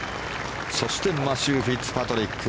そしてマシュー・フィッツパトリック。